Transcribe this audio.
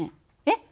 えっ？